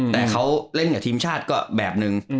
แต่เขาเล่นกับทีมชาติก็แบบนึง